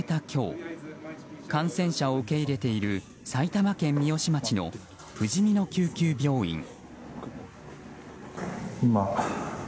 今日感染者を受け入れている埼玉県三芳町のふじみの救急病院。